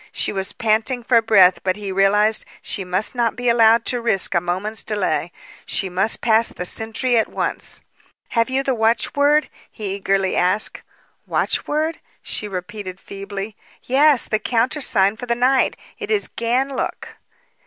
She was panting for breath; but he realized she must not be allowed to risk a moment's delay. She must pass the sentry at once. "Have you the watchword?" he eagerly asked. "Watchword?" she repeated feebly. "Yes, the countersign for the night. It is Ganlook.